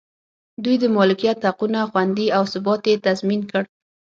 دوی د مالکیت حقونه خوندي او ثبات یې تضمین کړ.